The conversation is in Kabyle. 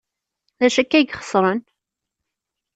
D acu akka ay ixeṣren?